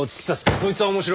そいつは面白い。